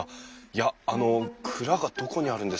いやあの蔵がどこにあるんですかね？